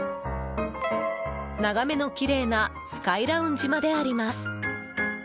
眺めのきれいなスカイラウンジまであります。